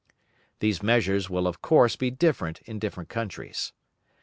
These measures will of course be different in different countries.